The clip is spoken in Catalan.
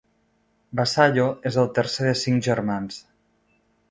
Vassallo és el tercer de cinc germans.